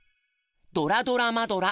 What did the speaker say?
「ドラドラマドラ！